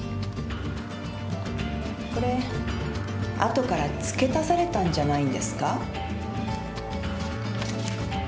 これあとから付け足されたんじゃないんですか？